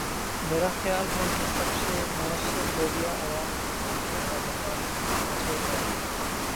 میرا خیال ہے کہ سب سے موثر ذریعہ عوام کی آنکھیں اور مقامی تناظر ہے۔